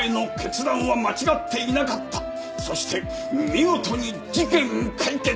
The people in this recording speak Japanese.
そして見事に事件解決。